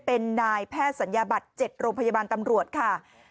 เป็นนายแพทย์ศัลยบัตร๗โรงพยาบาลตำรวจค่ะ